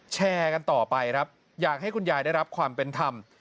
แชร์กันต่อไปครับอยากให้คุณยายได้รับความเป็นธรรม